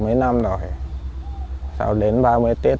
tôi chăm sóc vô trường